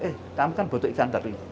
eh kamu kan butuh ikan tapi